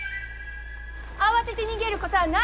慌てて逃げることはないよ！